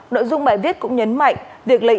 nội dung bài viết cũng nhấn mạnh việc lấy